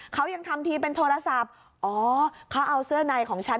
เขายังทำทีเป็นโทรศัพท์อ๋อเขาเอาเสื้อในของฉัน